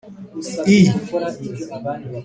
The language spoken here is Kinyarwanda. i